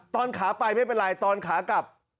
ตอนขาไปไม่เป็นไรตอนขากลับ